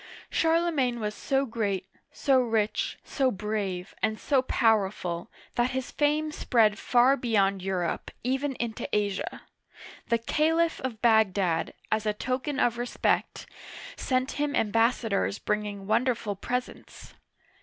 Charlemagne was so great, so rich, so brave, and so powerful, that his fame spread far beyond Europe, even into Asia. The Caliph of Bagdad, as a token of respect, sent him ambassadors bringing wonderful pres ents.